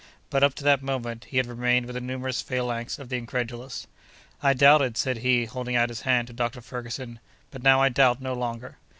But, up to that moment, he had remained with the numerous phalanx of the incredulous. "I doubted," said he, holding out his hand to Dr. Ferguson, "but now I doubt no longer."